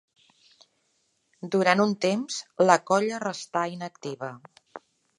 Durant un temps, la colla restà inactiva.